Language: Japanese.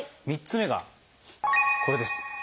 ３つ目がこれです。